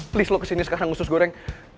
please lo kesini sekarang usus goreng